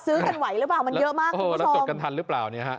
ซื้อกันไหวหรือเปล่ามันเยอะมากคุณผู้ชมโอ้โหแล้วจดกันทันหรือเปล่าเนี่ยฮะ